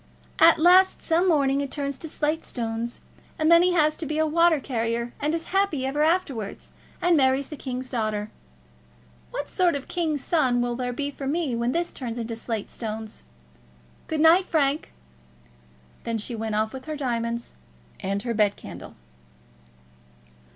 At last some morning it turns into slate stones, and then he has to be a water carrier, and is happy ever afterwards, and marries the king's daughter. What sort of a king's son will there be for me when this turns into slate stones? Good night, Frank." Then she went off with her diamonds and her bed candle.